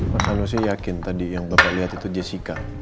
mas anu sih yakin tadi yang bapak lihat itu jessica